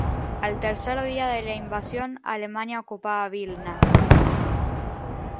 Al tercer día de la invasión, Alemania ocupaba Vilna.